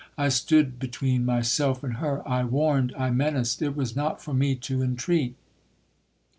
I stood between myself and her—I warned—I menaced—it was not for me to intreat.